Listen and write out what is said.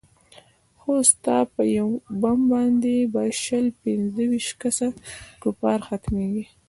خو ستا په يو بم باندې به شل پينځه ويشت كسه كفار ختميږي.